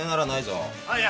あっいや。